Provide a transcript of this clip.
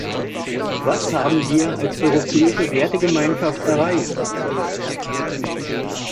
Was haben wir als europäische Wertegemeinschaft erreicht?